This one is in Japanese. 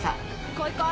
「こいこい」！